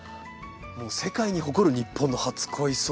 世界に誇る日本の初恋草。